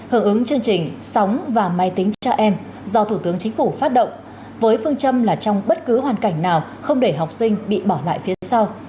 hợp ứng chương trình sóng và máy tính cho em do thủ tướng chính phủ phát động với phương châm là trong bất cứ hoàn cảnh nào không để học sinh bị bỏ lại phía sau